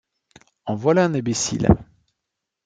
En voilà un imbécile!